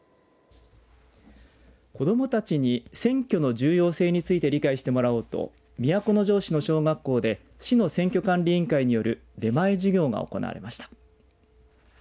子どもたちに、選挙の重要性について理解してもらおうと都城市の小学校で市の選挙管理委員会による出前授業が行われました。